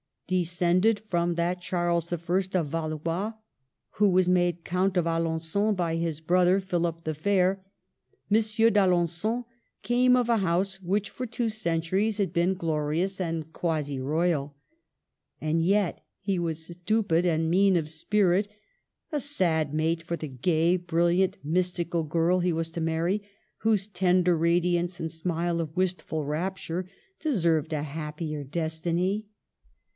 Descended from that Charles I. of Valois who was made Count of Alengon by his brother Philip the Fair, Mon sieur d'Alengon came of a house which for two centuries had been glorious and quasi royal. And yet he was stupid and mean of spirit, — a sad mate for the gay, brilliant, mystical girl he was to marry, whose tender radiance and smile of wistful rapture deserved a happier destiny.